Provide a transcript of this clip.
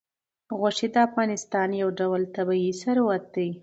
غوښې د افغانستان یو ډول طبعي ثروت دی.